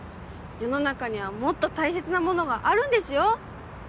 世の中にはもっと大切なものがあるんですよ。